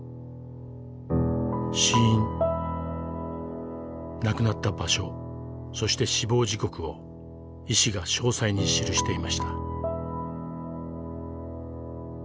死因亡くなった場所そして死亡時刻を医師が詳細に記していました。